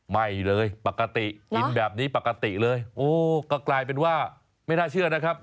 ไม่เลยปกติกินแบบนี้ปกติเลยโอ้ก็กลายเป็นว่าไม่น่าเชื่อนะครับ